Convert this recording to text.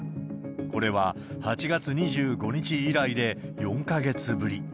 これは、８月２５日以来で４か月ぶり。